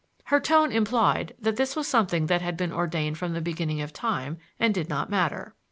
Her tone implied that this was something that had been ordained from the beginning of time, and did not matter.